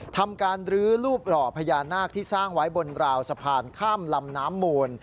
ทำการรื้อรูปหล่อพญานาคที่สร้างไว้บนราวสะพานข้ามลำน้ำมูล